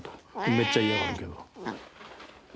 めっちゃ嫌がるけど。